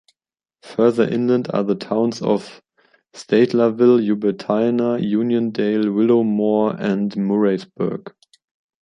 Further inland are the towns of Steytlerville, Joubertina, Uniondale, Willowmore and Murraysburg.